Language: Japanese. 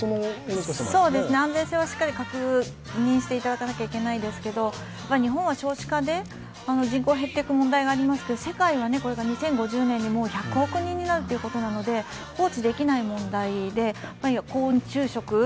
安全性はしっかり確認してもらわきなゃいけないですけど、日本は少子化で、人口が減っていく問題がありますけど、世界はこれから２０５０年に１００億人になるということで放置できない問題です。